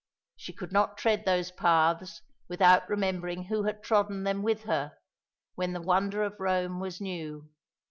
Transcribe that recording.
She could not tread those paths without remembering who had trodden them with her when the wonder of Rome was new.